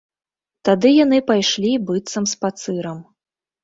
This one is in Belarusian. Тады яны пайшлі быццам спацырам.